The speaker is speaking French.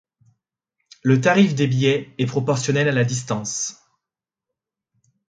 Le tarif des billets est proportionnel à la distance.